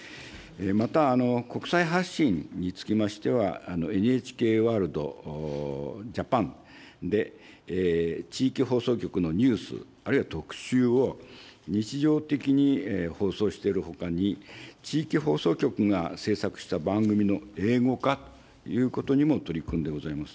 また、国際発信につきましては、ＮＨＫワールドＪＡＰＡＮで、地域放送局のニュース、あるいは特集を日常的に放送しているほかに、地域放送局が制作した番組の英語化ということにも取り組んでございます。